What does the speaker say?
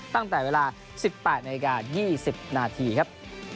ตั้งแต่เวลา๑๘นาฬิกา๒๐นาทีครับ